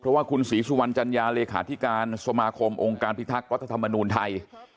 เพราะว่าคุณศรีสุวรรณจัญญาเลขาธิการสมาคมองค์การพิทักษ์รัฐธรรมนูลไทย